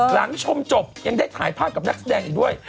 หลังชมจบยังได้ถ่ายภาพกับนักแสดงอีกด้วย